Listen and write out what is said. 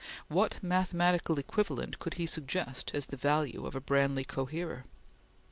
What mathematical equivalent could he suggest as the value of a Branly coherer?